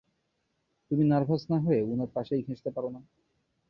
তুমি নার্ভাস না হয়ে উনার পাশেই ঘেঁষতে পারো না।